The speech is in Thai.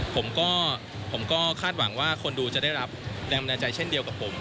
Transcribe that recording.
ผมก็ผมก็คาดหวังว่าคนดูจะได้รับแรงบันดาลใจเช่นเดียวกับผม